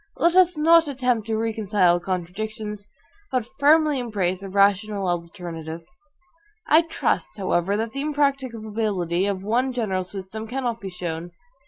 Let us not attempt to reconcile contradictions, but firmly embrace a rational alternative. I trust, however, that the impracticability of one general system cannot be shown.